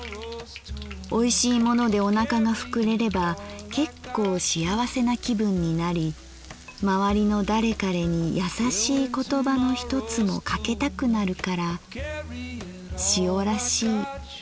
おいしいものでおなかがふくれれば結構しあわせな気分になりまわりの誰彼にやさしい言葉の一つもかけたくなるからしおらしい」。